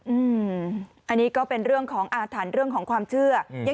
อืมอันนี้ก็เป็นเรื่องของอาถรรพ์เรื่องของความเชื่อ